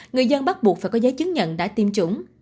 người dân bắt buộc phải có giấy chứng nhận đã tiêm chủng